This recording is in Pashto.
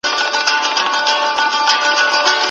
که هوا برابره وي نو موږ به د تېښتې لوبه په میدان کې وکړو.